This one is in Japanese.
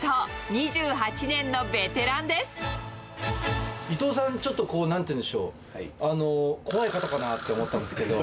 ２８年のベテラン伊藤さん、ちょっとこう、なんて言うんでしょう、怖い方かなと思ったんですけど。